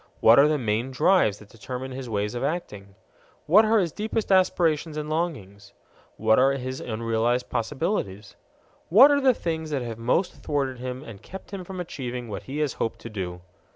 What are the main drives that determine his ways of acting? What are his deepest aspirations and longings? What are his unrealized possibilities? What are the things that have most thwarted him and kept him from achieving what he has hoped to do?